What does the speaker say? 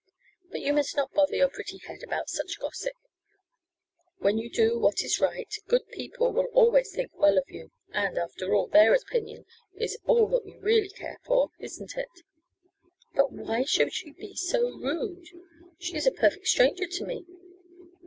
But you must not bother your pretty head about such gossip. When you do what is right, good people will always think well of you and, after all, their opinion is all that we really care for, isn't it?" "But why should she be so rude? She is a perfect stranger to me?"